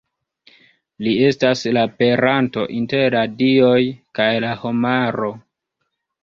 Li estas la peranto inter la dioj kaj la homaro.